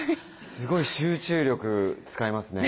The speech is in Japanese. すごい集中力使いますね。